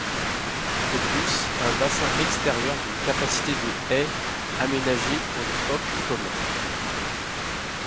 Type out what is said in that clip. De plus, un bassin extérieur d'une capacité de est aménagé pour les phoques communs.